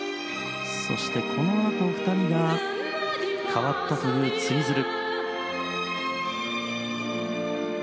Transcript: そしてこのあと２人が「変わった」と言うツイズル。